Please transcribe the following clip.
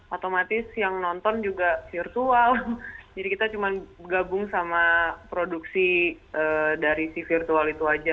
otomatis yang nonton juga virtual jadi kita cuma gabung sama produksi dari si virtual itu aja